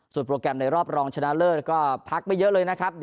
โปรแกรมในรอบรองชนะเลิศก็พักไม่เยอะเลยนะครับ